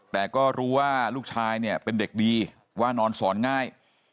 แต่ก็รู้ว่าลูกชายเนี่ยเป็นเด็กดีว่านอนสอนง่าย